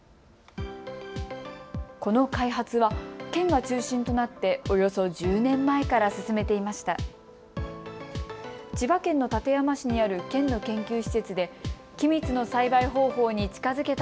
この開発は県が中心となっておよそ１０年前から進めていました。